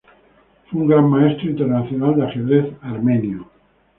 Fue un Gran Maestro Internacional de ajedrez armenio.